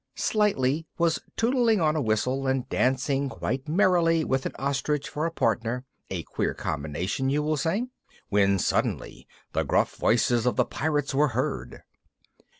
Slightly was tootling on a whistle, and dancing quite merrily, with an ostrich for partner (a queer companion, you will say), when suddenly the gruff voices of the Pirates were heard.